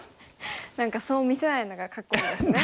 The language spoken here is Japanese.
何かそう見せないのがかっこいいですね。